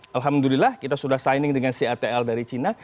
alhamdulillah kita sudah signing dengan catl dari cina